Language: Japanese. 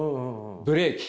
ブレーキ。